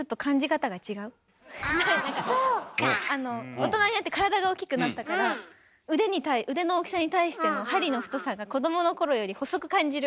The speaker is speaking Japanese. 大人になって体が大きくなったから腕の大きさに対しての針の太さが子どものころより細く感じる。